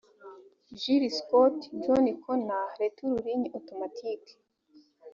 Jill Scott & Jon Connor Retour ligne automatique